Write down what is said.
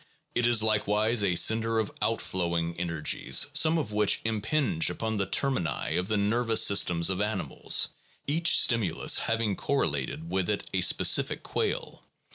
It is likewise a center of outflowing energies, some of which im pinge upon the termini of the nervous systems of animals; each stimulus having correlated with it a specific quale.